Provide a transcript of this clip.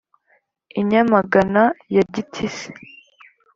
I Nyamagana ya Gitisi